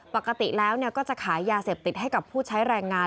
ปกติแล้วก็จะขายยาเสพติดให้กับผู้ใช้แรงงาน